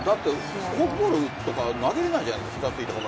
フォークボールとか投げれないじゃないですか。